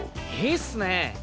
いいっすね。